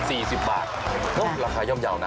สี่สิบบาทโอ๊ยราคาย่อมเยาว์นะ